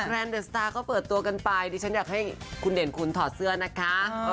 แนนเดอร์สตาร์ก็เปิดตัวกันไปดิฉันอยากให้คุณเด่นคุณถอดเสื้อนะคะ